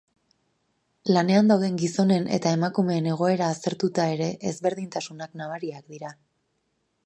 Lanean dauden gizonen eta emakumeen egoera aztertuta ere ezberdintasunak nabariak dira.